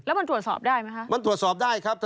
แล้วมันตัวสอบได้ไหมคะ